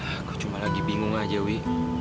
aku cuma lagi bingung aja wi